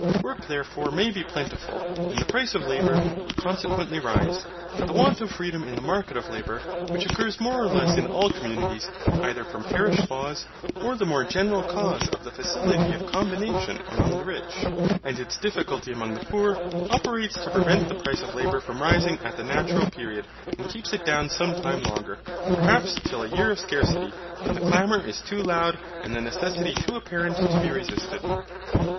Work therefore may be plentiful, and the price of labour would consequently rise. But the want of freedom in the market of labour, which occurs more or less in all communities, either from parish laws, or the more general cause of the facility of combination among the rich, and its difficulty among the poor, operates to prevent the price of labour from rising at the natural period, and keeps it down some time longer; perhaps till a year of scarcity, when the clamour is too loud and the necessity too apparent to be resisted.